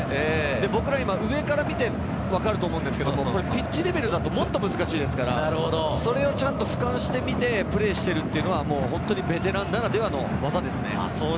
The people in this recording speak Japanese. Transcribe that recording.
僕らは上から見てわかると思うんですけれど、ピッチレベルですと、もっと難しいですから、俯瞰して見てプレーしているというのは本当にベテランならではの技ですね。